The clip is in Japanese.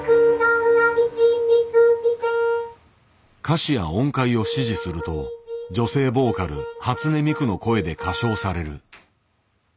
歌詞や音階を指示すると女性ボーカル初音ミクの声で歌唱される。